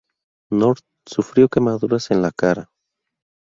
North sufrió quemaduras en la cara.